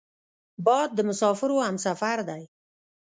باد د مسافرو همسفر دی